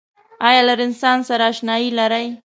آیا له رنسانس سره اشنایې لرئ؟